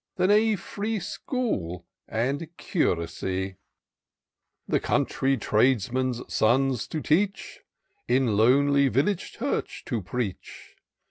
Than a free school and curacy ; The coimtry tradesmen's sons to teach ; In lonely village church to preach.